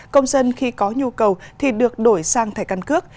công dân khi có nhu cầu thì được đổi sang thẻ căn cước